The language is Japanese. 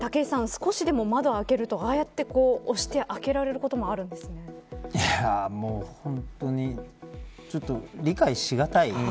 少しでも窓を開けるとああやって押して本当にちょっと理解しがたい。